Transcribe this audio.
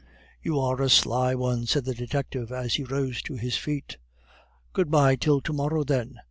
"You are a sly one," said the detective as he rose to his feet. "Good bye till to morrow, then.